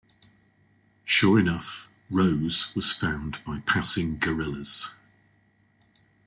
Sure enough, Rose was found by passing guerrillas.